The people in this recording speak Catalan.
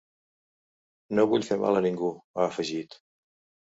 “No vull fer mal a ningú”, ha afegit.